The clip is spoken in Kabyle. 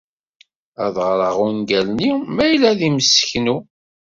Ad ɣreɣ ungal-nni ma yella d imseknu.